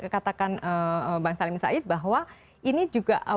katakan bang salim said bahwa ini juga